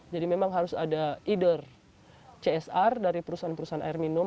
jadi memang harus ada csr dari perusahaan perusahaan air minum